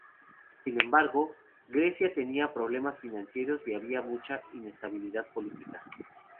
Sin embargo, Grecia tenía problemas financieros y había mucha inestabilidad política.